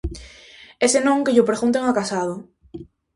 E senón que llo pregunten a Casado.